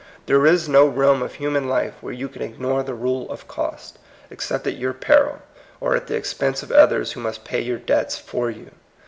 There is no realm of human life where you ignore the rule of cost, ex cept at your peril, or at the expense of others who must pay your debts for you.